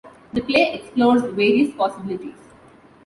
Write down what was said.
The play explores various possibilities.